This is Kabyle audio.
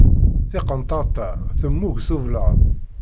Tiqenṭert-a temmug s ublaḍ.